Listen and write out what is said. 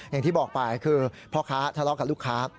อย่างที่บอกไปคือพ่อค้าทะเลาะกับลูกค้า